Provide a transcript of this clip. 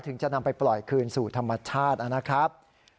จะนำไปปล่อยคืนสู่ธรรมชาตินะครับ